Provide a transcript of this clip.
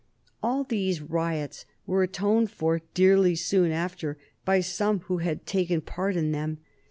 All these riots were atoned for dearly soon after by some who had taken part in them.